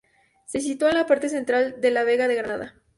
Se sitúa en la parte central de la Vega de Granada.